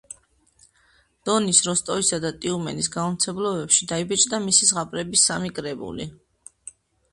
დონის როსტოვისა და ტიუმენის გამომცემლობებში დაიბეჭდა მისი ზღაპრების სამი კრებული.